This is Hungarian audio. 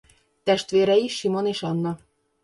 Testvérei Simon és Anna.